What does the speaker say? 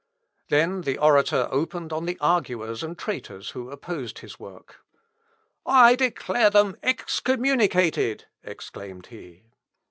Then the orator opened on the arguers and traitors who opposed his work. "I declare them excommunicated," exclaimed he.